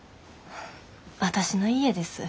私の家です。